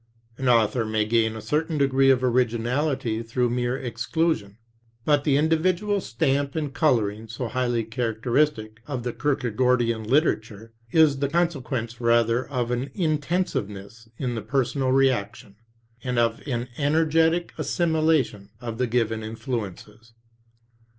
An author may gain a certain degree of originality through mere exclusion, but the individual stamp and coloring so highly characteristic of the Kierkegaardian literature is the consequence rather of an intensiveness in the personal reaction, and of an energetic assimilation of the given influences.